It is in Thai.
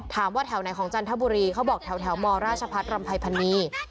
แถวไหนของจันทบุรีเขาบอกแถวมราชพัฒน์รำภัยพันนี